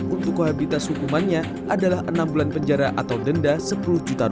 untuk kohabitasi hukumannya adalah enam bulan penjara atau denda sepuluh juta